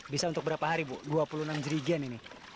bisa untuk berapa hari bu dua puluh enam jerigen ini